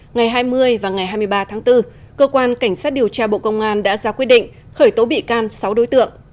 ngày hai mươi và ngày hai mươi ba tháng bốn cơ quan cảnh sát điều tra bộ công an đã ra quyết định khởi tố bị can sáu đối tượng